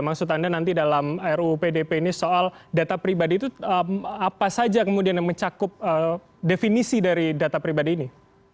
maksud anda nanti dalam ruu pdp ini soal data pribadi itu apa saja kemudian yang mencakup definisi dari data pribadi ini